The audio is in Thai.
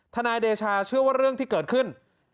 นายเดชาเชื่อว่าเรื่องที่เกิดขึ้น